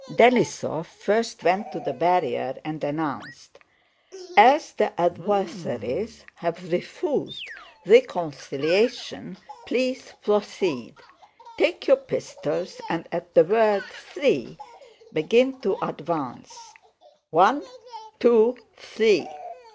Denísov first went to the barrier and announced: "As the adve'sawies have wefused a weconciliation, please pwoceed. Take your pistols, and at the word thwee begin to advance. "O ne! T wo! Thwee!"